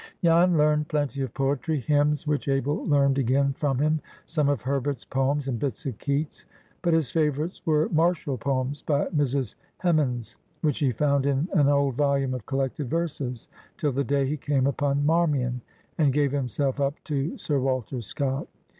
Jan learned plenty of poetry; hymns, which Abel learned again from him, some of Herbert's poems, and bits of Keats. But his favorites were martial poems by Mrs. Hemans, which he found in an old volume of collected verses, till the day he came upon "Marmion," and gave himself up to Sir Walter Scott.